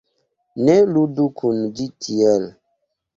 Ne ludu kun ĝi tiel